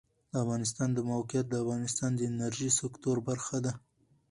د افغانستان د موقعیت د افغانستان د انرژۍ سکتور برخه ده.